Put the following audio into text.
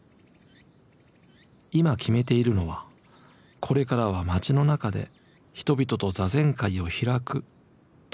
今決めているのはこれからは街の中で人々と坐禅会を開くということだけです。